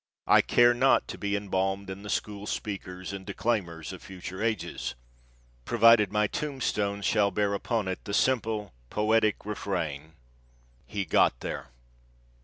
I care not to be embalmed in the school speakers and declaimers of future ages, provided my tombstone shall bear upon it the simple, poetic refrain: He got there.